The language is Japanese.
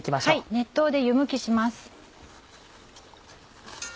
熱湯で湯むきします。